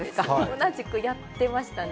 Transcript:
同じくやってましたね。